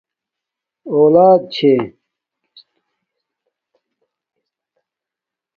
اولݳت چھݺ؟